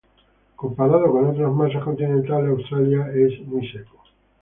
Comparado con otras masas continentales, Australia es muy seco.